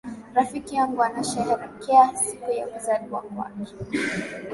Rafiki yangu anasherehekea siku ya kuzaliwa kwake.